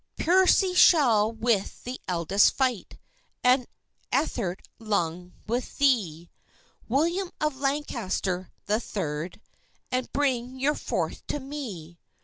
"Piercy shall with the eldest fight, And Ethert Lunn with thee; William of Lancaster the third, And bring your fourth to me!